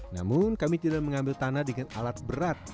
namun kami tidak mengambil tanah dengan alat berat